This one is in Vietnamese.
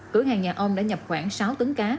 cửa hàng nhà ông đã nhập khoảng sáu tấn cá